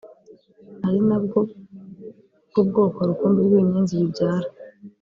ari nabwo bwoko rukumbi bw’ibinyenzi bibyara